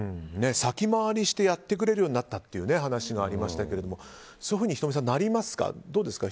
先回りしてやってくれるようになったという話がありましたけれども仁美さん、どうですか？